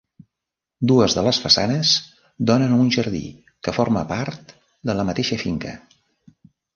Dues de les façanes donen a un jardí que forma part de la mateixa finca.